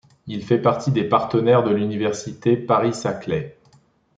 Il fait partie des partenaires de l'Université Paris-Saclay.